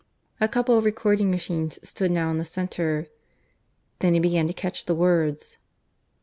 A couple of recording machines stood now in the centre. Then he began to catch the words.